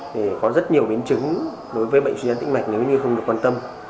thì có rất nhiều biến chứng đối với bệnh suy dãn tĩnh mạch nếu như không được quan tâm